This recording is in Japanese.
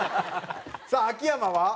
さあ秋山は？